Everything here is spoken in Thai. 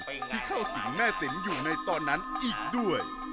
ที่เข้าสิงแม่ติ๋มอยู่ในตอนนั้นอีกด้วย